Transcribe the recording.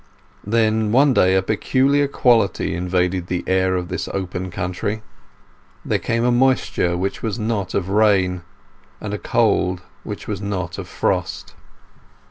Then one day a peculiar quality invaded the air of this open country. There came a moisture which was not of rain, and a cold which was not of frost.